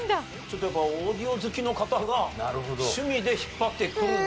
ちょっとやっぱオーディオ好きの方が趣味で引っ張ってくるんだと。